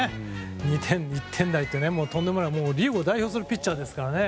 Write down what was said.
２点、１点台ととんでもないリーグを代表するピッチャーですからね。